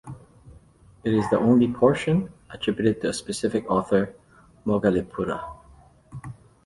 It is the only portion attributed to a specific author, Moggaliputta.